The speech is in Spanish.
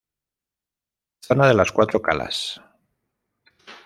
Zona de las Cuatro Calas.